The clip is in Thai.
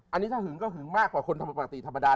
อันนี้ถ้าหึงก็หึงมากกว่าคนปกติธรรมดา